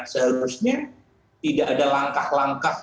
seharusnya tidak ada langkah langkah